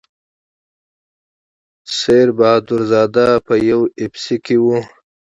سیر بهادر زاده په یو اف سي کې و.